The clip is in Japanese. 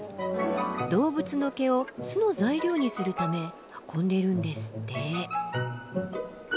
動物の毛を巣の材料にするため運んでいるんですって。